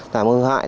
làm hư hại